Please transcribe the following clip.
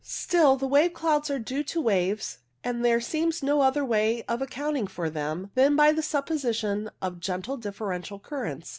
Still, the wave clouds are due to waves, and there seems no other way of accounting for them than the supposition of gentle differential currents.